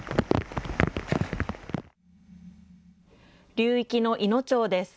流域のいの町です。